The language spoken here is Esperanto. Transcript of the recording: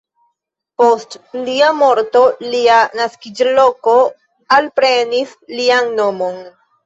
Post lia morto lia naskiĝloko alprenis lian nomon.